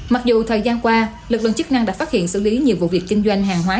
mặc dù thời gian qua lực lượng chức năng đã phát hiện xử lý nhiều vụ việc kinh doanh hàng hóa